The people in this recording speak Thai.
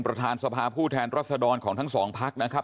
ประธานสภาผู้แทนรัศดรของทั้งสองพักนะครับ